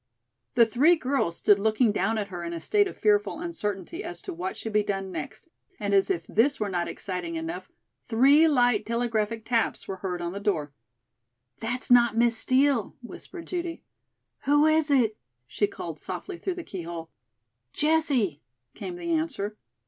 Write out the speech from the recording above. The three girls stood looking down at her in a state of fearful uncertainty as to what should be done next, and as if this were not exciting enough, three light telegraphic taps were heard on the door. "That's not Miss Steel," whispered Judy. "Who is it," she called softly through the keyhole. "Jessie," came the answer.